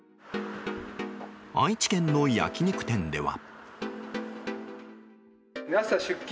愛知県の焼き肉店では。